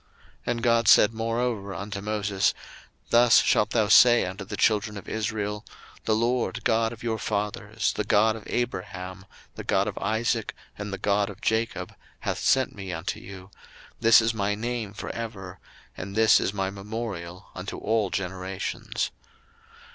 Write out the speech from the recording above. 02:003:015 And God said moreover unto Moses, Thus shalt thou say unto the children of Israel, the LORD God of your fathers, the God of Abraham, the God of Isaac, and the God of Jacob, hath sent me unto you: this is my name for ever, and this is my memorial unto all generations.